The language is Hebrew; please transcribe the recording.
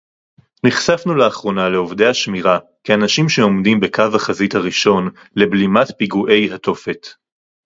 נחשפנו לאחרונה לעובדי השמירה כאנשים שעומדים בקו החזית הראשון לבלימת פיגועי התופת